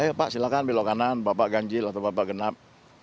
ayo pak silakan belok kanan bapak ganjil atau bapak genap